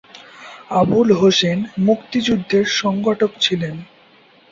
আবুল হোসেন মুক্তিযুদ্ধের সংগঠক ছিলেন।